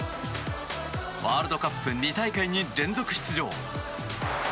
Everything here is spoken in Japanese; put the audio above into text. ワールドカップ２大会に連続出場。